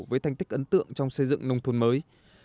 với thành tích ấn tượng trong xây dựng nông thôn mới